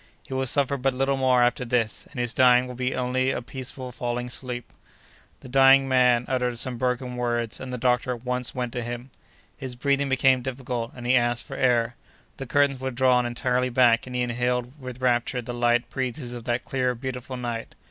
He will suffer but little more after this, and his dying will be only a peaceful falling asleep." The dying man uttered some broken words, and the doctor at once went to him. His breathing became difficult, and he asked for air. The curtains were drawn entirely back, and he inhaled with rapture the light breezes of that clear, beautiful night.